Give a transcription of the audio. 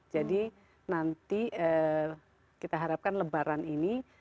jadi nanti kita harapkan lebaran ini